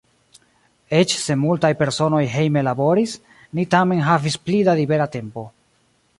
Eĉ se multaj personoj hejme laboris, ni tamen havis pli da libera tempo.